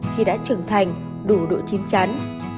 khi đã trưởng thành đủ độ chín chắn